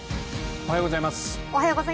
おはようございます。